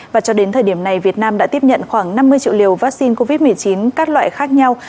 và cho đến thời điểm này việt nam đã tiếp nhận khoảng năm mươi triệu liều vaccine covid một mươi chín các loại khác nhau